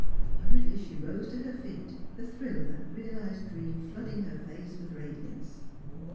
Hurriedly she rose to her feet, the thrill of that realised dream flooding her face with radiance.